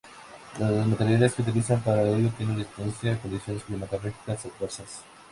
Los materiales que utiliza para ello tienen resistencia a condiciones climatológicas adversas.